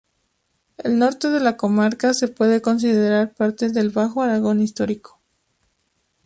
El norte de la comarca se puede considerar parte del Bajo Aragón Histórico.